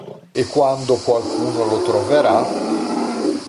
E quando qualcuno lo troverà...